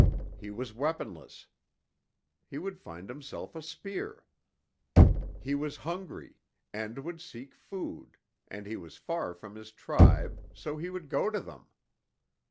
He was weaponless. He would find himself a spear. He was hungry and would seek food, and he was far from his tribe, so he would go to them.